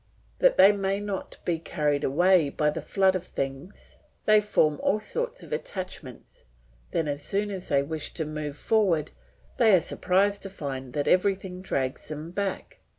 That they may not be carried away by the flood of things, they form all sorts of attachments; then as soon as they wish to move forward they are surprised to find that everything drags them back.